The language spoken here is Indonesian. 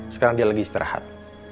sekarang dia lagi istirahat